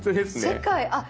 世界あっ！